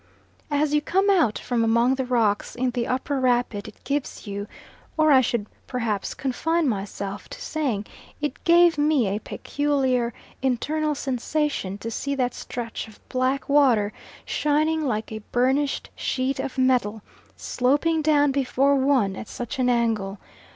As you come out from among the rocks in the upper rapid it gives you or I should perhaps confine myself to saying, it gave me a peculiar internal sensation to see that stretch of black water, shining like a burnished sheet of metal, sloping down before one, at such an angle.